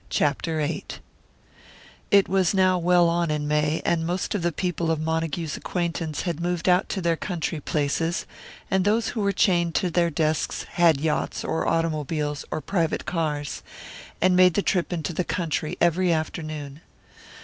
CHAPTER VIII It was now well on in May, and most of the people of Montague's acquaintance had moved out to their country places; and those who were chained to their desks had yachts or automobiles or private cars, and made the trip into the country every afternoon.